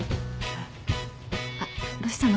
あっどうしたの？